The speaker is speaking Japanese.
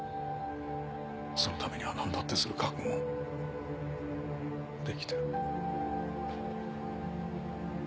そのためには何だってする覚悟もできている。